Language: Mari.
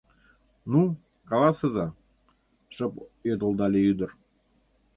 Ну, каласыза, — шып йодылдале ӱдыр.